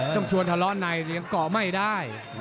ต้องชวนทะเลาะในยังเกาะไม่ได้